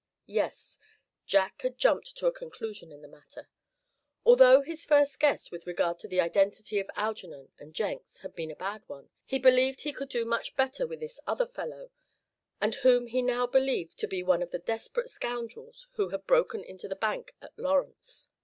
Yes, Jack had jumped to a conclusion in the matter. Although his first guess with regard to the identity of Algernon and Jenks had been a bad one, he believed he could do much better with this other fellow; and whom he now believed to be one of the desperate scoundrels who had broken into the bank at Lawrence.